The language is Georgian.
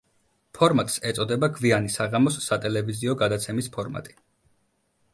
ფორმატს ეწოდება გვიანი საღამოს სატელევიზიო გადაცემის ფორმატი.